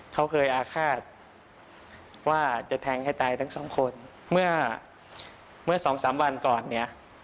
เขาเคยอาฆาตว่าจะแทงให้ตายทั้ง๒คนเมื่อ๒๓วันก่อนเนี่ย